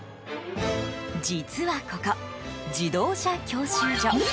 実はここ、自動車教習所。